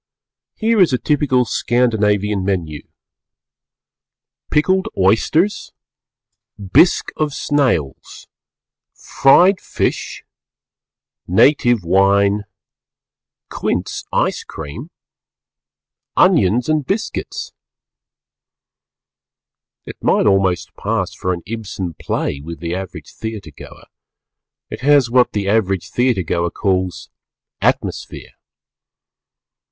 Here is a typical Scandinavian Menu Pjkled Ojsters Bjsque of Snajls Frjed Fjsh Natjve Wjne Qujnce Jce cream Onjons and Bjsqujts It might almost pass for an Ibsen Play with the average theatre goer; it has what the average theatre goer calls "atmosphere."